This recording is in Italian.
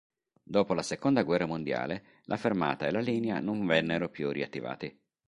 Dopo la seconda guerra mondiale la fermata e la linea non vennero più riattivati.